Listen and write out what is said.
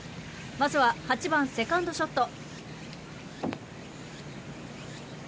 まずは８番、セカンドショット。